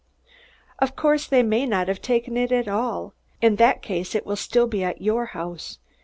Of course, they may not have taken it at all. In that case it will still be at your house.